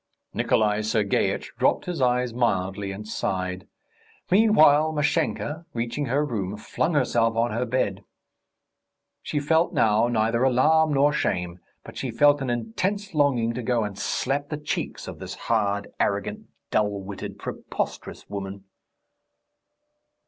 Nikolay Sergeitch dropped his eyes mildly and sighed. Meanwhile Mashenka, reaching her room, flung herself on her bed. She felt now neither alarm nor shame, but she felt an intense longing to go and slap the cheeks of this hard, arrogant, dull witted, prosperous woman.